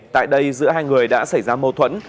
tại đây giữa hai người đã xảy ra mâu thuẫn